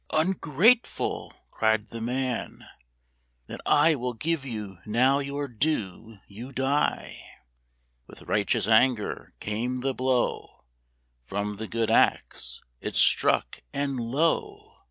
"Ungrateful!" cried the man; "then I Will give you now your due you die!" With righteous anger came the blow From the good axe. It struck, and, lo!